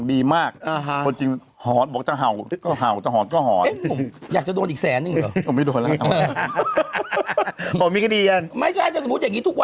ปีใหม่เอามาให้เลยนะ